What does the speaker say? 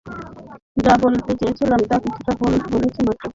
যা বলতে চেয়েছিলাম, তার কিছুটা বলেছি মাত্র।